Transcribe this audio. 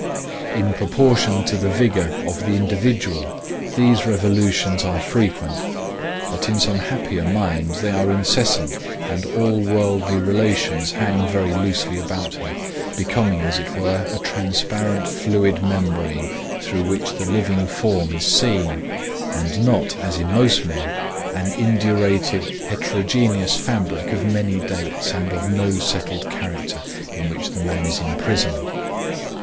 In proportion to the vigor of the individual these revolutions are frequent, until in some happier mind they are incessant and all worldly relations hang very loosely about him, becoming as it were a transparent fluid membrane through which the living form is seen, and not, as in most men, an indurated heterogeneous fabric of many dates and of no settled character, in which the man is imprisoned.